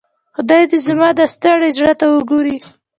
خدای دي زما دا ستړي زړۀ ته وګوري.